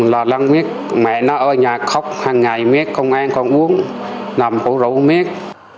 lo lắng biết mẹ nó ở nhà khóc hằng ngày biết công an không uống nằm bổ rấu biết